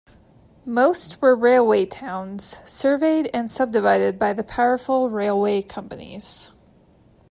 Most were railway towns, surveyed and subdivided by the powerful railway companies.